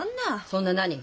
そんな何？